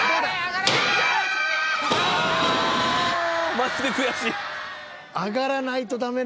マジで悔しい。